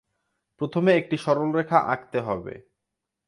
প্রথমে একটি সরলরেখা আঁকতে হবে।